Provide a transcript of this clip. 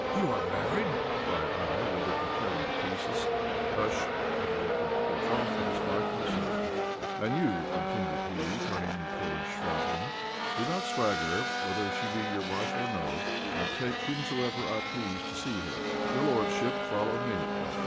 "You are married!" cried I, ready to tear him in pieces. "Hush!" interrupted Pugatchéf, "it is my concern. And you," continued he, turning towards Chvabrine, "do not swagger; whether she be your wife or no, I take whomsoever I please to see her. Your lordship, follow me."